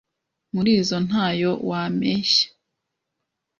Muri izo nta yo wameshya